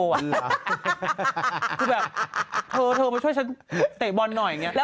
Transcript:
คือแบบเธอมาช่วยฉันเตะบอลหน่อยอย่างนี้